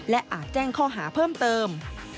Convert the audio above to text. และอาจแจ้งข้อหาเพิ่มเติม